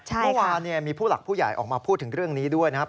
เมื่อวานมีผู้หลักผู้ใหญ่ออกมาพูดถึงเรื่องนี้ด้วยนะครับ